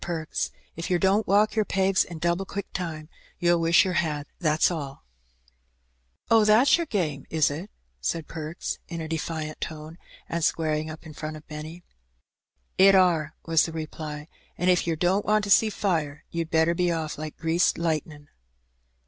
Perks, if yer don't walk yer pegs in double quick time, you'll wish yer had, that's alL" "Oh, that's yer game, is it?" said Perks, in a defiant tone, and squaring up in front of Benny. " It are," was the reply ;" an* if yer don't want to see fire, you'd better be off like greased lightnin'."